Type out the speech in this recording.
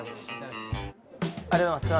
ありがとうございます。